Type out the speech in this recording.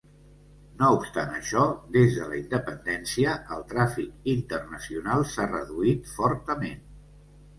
No obstant això, des de la independència, el tràfic internacional s'ha reduït fortament.